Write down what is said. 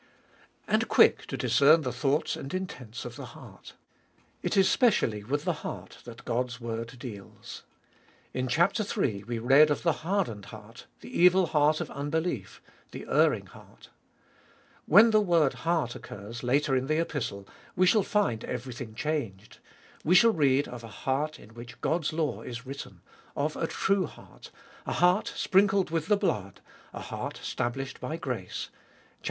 And quick to discern the thoughts and intents of the heart. It is specially with the heart that God's word deals. In chap. iii. we read of the hardened heart, the evil heart of unbelief, the erring heart. When the word heart occurs later in the iboliest ot Btl iei Epistle we shall find everything changed ; we shall read of a heart in which God's law is written, of a true heart, a heart sprinkled with the blood, a heart stablished by grace (viii.